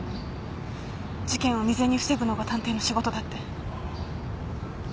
事件を未然に防ぐのが探偵の仕事だって。